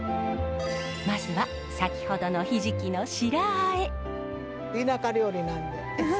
まずは先ほどのヒジキの白あえ。